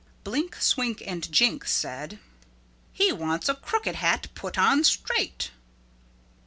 Blink, Swink and Jink said, "He wants a crooked hat put on straight."